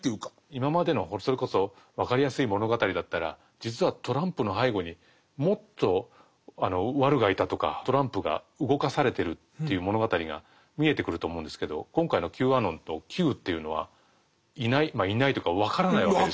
今までのそれこそわかりやすい物語だったら実はトランプの背後にもっとワルがいたとかトランプが動かされてるという物語が見えてくると思うんですけど今回のＱアノンとＱというのはいないいないというかわからないわけですよね。